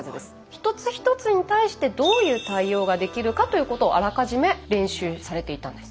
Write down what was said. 一つ一つに対してどういう対応ができるかということをあらかじめ練習されていたんです。